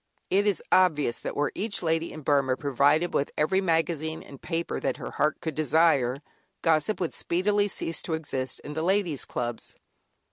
It is obvious that were each lady in Burmah provided with every magazine and paper that her heart could desire, gossip would speedily cease to exist, in the Ladies' Clubs.